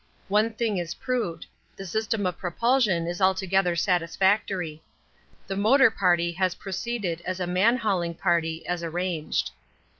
One thing is proved; the system of propulsion is altogether satisfactory. The motor party has proceeded as a man hauling party as arranged.